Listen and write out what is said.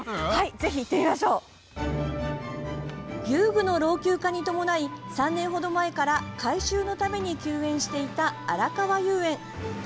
遊具の老朽化に伴い３年ほど前から改修のために休園していたあらかわ遊園。